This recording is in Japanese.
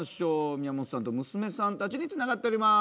宮本さんと娘さんたちにつながっております。